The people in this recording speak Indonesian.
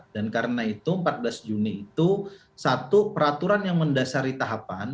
dan karena itu empat belas juni itu satu peraturan yang mendasari tahapan